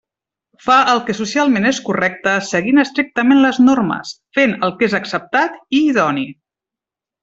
Fa el que socialment és correcte, seguint estrictament les normes; fent el que és acceptat i idoni.